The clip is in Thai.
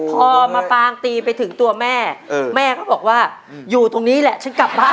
พอมาปางตีไปถึงตัวแม่แม่ก็บอกว่าอยู่ตรงนี้แหละฉันกลับบ้าน